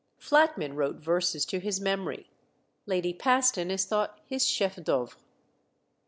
Flatman wrote verses to his memory. Lady Paston is thought his chef d'œuvre.